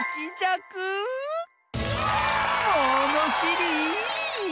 ものしり！